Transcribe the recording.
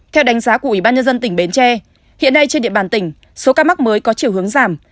theo đánh giá của ubnd tỉnh bến tre hiện nay trên địa bàn tỉnh số ca mắc mới có chiều hướng giảm